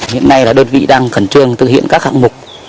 hiện nay là đơn vị đang khẩn trương thực hiện các hạng mục